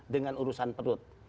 dengan urusan perut